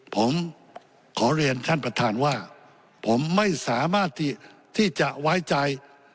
ผมขอเรียนท่านประธานว่าผมไม่สามารถที่จะไว้ใจ